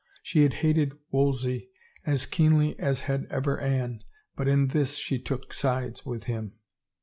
She had hated Wolsey as keenly as had ever Anne, but in this she took sides with him.